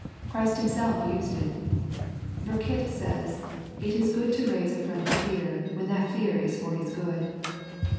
Christ Himself used it Burkitt says, " It is good to raise a friend's fear, when that fear is for his good."